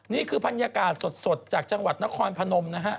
นี่คือบรรยากาศสดจากจังหวัดนครพนมนะฮะ